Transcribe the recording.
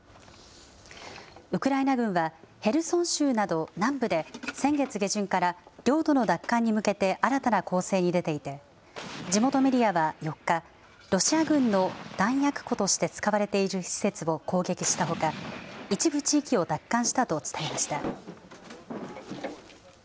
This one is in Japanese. ウクライナ軍はヘルソン州など南部で先月下旬から、領土の奪還に向けて新たな攻勢に出ていて、地元メディアは４日、ロシア軍の弾薬庫として使われている施設を攻撃したほか、一部地域を奪還したと伝えました。